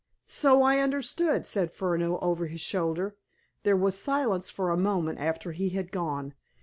"So I understood," said Furneaux over his shoulder. There was silence for a moment after he had gone.